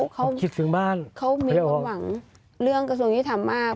เขามีความหวังเรื่องกระทรวงยุติธรรมมาก